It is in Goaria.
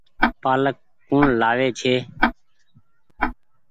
پآلڪ ڪوڻ لآوي ڇي۔